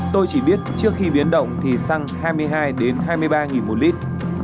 tôi chỉ biết trước khi biến động thì xăng hai mươi hai hai mươi ba đồng một lít